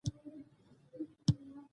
د ژوند ډیرې خواوې پکې منعکس شوې وي.